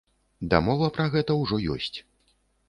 Дамова пра гэта ўжо ёсць.